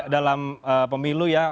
dalam pemilu ya